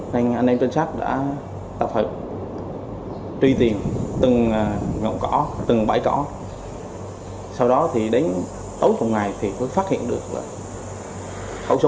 nên anh em chân sát đã tập hợp truy tìm từng ngọn cỏ từng bãi cỏ